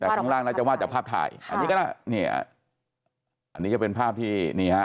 แต่ข้างล่างน่าจะว่าจากภาพถ่ายอันนี้ก็ได้เนี่ยอันนี้ก็เป็นภาพที่นี่ฮะ